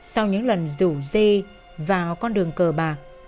sau những lần rủ dê vào con đường cờ bạc